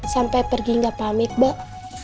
sampai pergi nggak pamit mbak